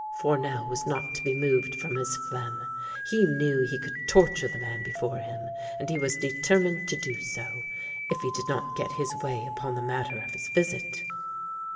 Fournel was not to be moved from his phlegm. He knew he could torture the man before him, and he was determined to do so, if he did not get his way upon the matter of his visit.